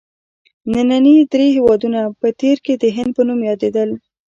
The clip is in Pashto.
ننني درې هېوادونه په تېر کې د هند په نوم یادیدل.